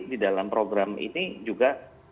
di dalam program ini juga